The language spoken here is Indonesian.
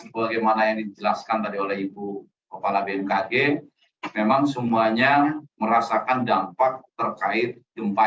bagaimana yang dijelaskan tadi oleh ibu kepala bmkg memang semuanya merasakan dampak terkait gempa